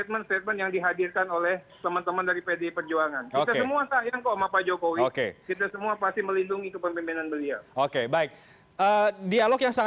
kita tidak menyalahkan kesalahan pdip